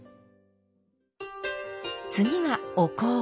次はお香。